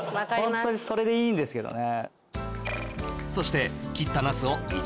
ホントにそれでいいんですけどね